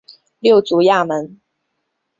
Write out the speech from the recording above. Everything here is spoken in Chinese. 六足亚门。